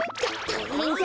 たいへんだ。